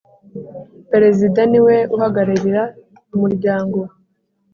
Perezida ni we uhagararira umuryango